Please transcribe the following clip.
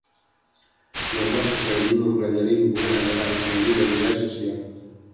Norma sosial ini mempelajari hubungan antara ekonomi dan nilai sosial.